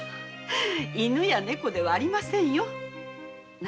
犬やネコではありませんよ。